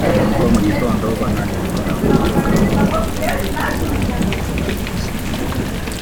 nuko mu gitondo bananirwa kubyuka ngo bakore ikizami kubera ubusinzi